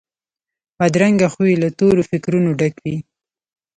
بدرنګه خوی له تورو فکرونو ډک وي